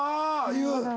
言う。